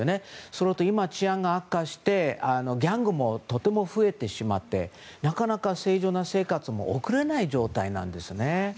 それと今、治安が悪化してギャングもとても増えてしまってなかなか正常な生活を送れない状態なんですね。